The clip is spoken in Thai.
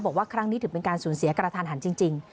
บอกว่าครั้งนี้ถือเป็นการสูญเสียกระทันหันจริง